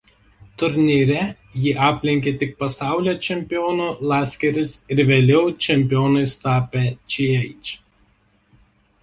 Turnyre jį aplenkė tik pasaulio čempiono Laskeris ir vėliau čempionais tapę Ch.